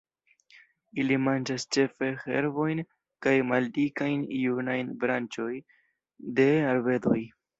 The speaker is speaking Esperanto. Ili manĝas ĉefe herbojn kaj maldikajn junajn branĉojn de arbedoj.